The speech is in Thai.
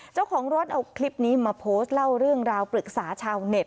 เจ้าของรถเอาคลิปนี้มาโพสต์เล่าเรื่องราวปรึกษาชาวเน็ต